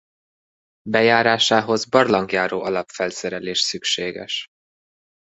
Bejárásához barlangjáró alapfelszerelés szükséges.